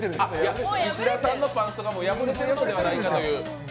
石田さんのパンストがもう破れてるんではないかという。